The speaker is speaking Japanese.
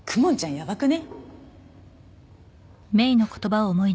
やばくね？